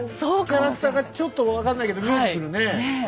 キャラクターがちょっと分かんないけど見えてくるねえ。